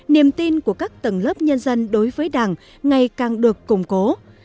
niềm tin của các tầng lớp nhân dân đối với đảng ngày càng được củng cố